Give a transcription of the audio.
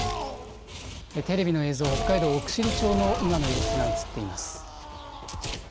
テレビの映像、北海道奥尻町の今の様子が映っています。